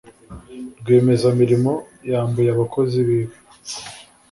Rwiyemeza mirimo yambuye abakozi biwe